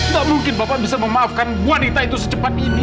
tak mungkin bapak bisa memaafkan wanita itu secepat ini